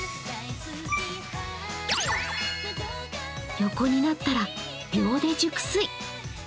横になったら秒で熟睡。